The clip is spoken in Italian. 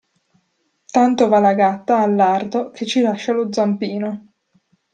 Tanto va la gatta al lardo che ci lascia lo zampino.